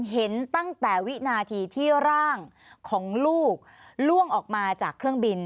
เห็นตั้งแต่วินาทีที่ร่างของลูกล่วงออกมาจากเครื่องบิน